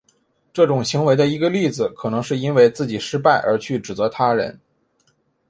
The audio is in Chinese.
这种行为的一个例子可能是因为自己失败而去指责他人。